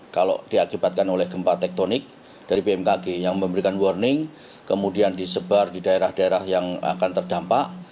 kalau diakibatkan oleh gempa tektonik dari bmkg yang memberikan warning kemudian disebar di daerah daerah yang akan terdampak